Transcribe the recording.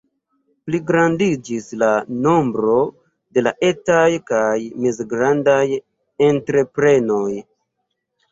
Pligrandiĝis la nombro de la etaj kaj mezgrandaj entreprenoj.